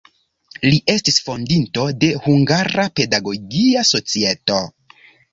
Li estis fondinto de "Hungara Pedagogia Societo".